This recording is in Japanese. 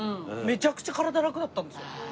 めちゃくちゃ体ラクになったんですよ。